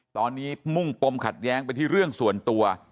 ตอนนี้มุ่งปมขัดแย้งไปที่เรื่องส่วนตัว